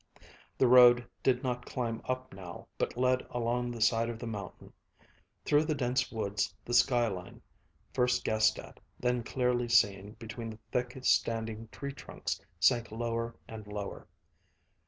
The road did not climb up now, but led along the side of the mountain. Through the dense woods the sky line, first guessed at, then clearly seen between the thick standing tree trunks, sank lower and lower.